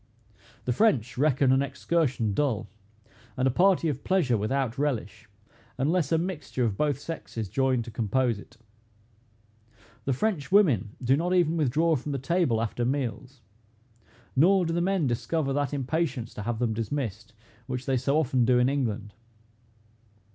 The French reckon an excursion dull, and a party of pleasure without relish, unless a mixture of both sexes join to compose in. The French women do not even withdraw from the table after meals; nor do the men discover that impatience to have them dismissed, which they so often do in England.